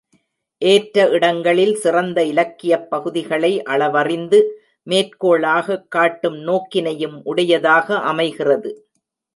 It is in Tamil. ஏற்ற இடங்களில் சிறந்த இலக்கியப் பகுதிகளை அளவறிந்து மேற்கோளாகக் காட்டும் நோக்கினையும் உடையதாக அமைகிறது.